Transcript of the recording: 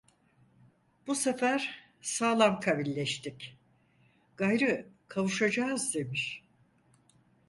Bu sefer sağlam kavilleştik, gayrı kavuşacağız! demiş.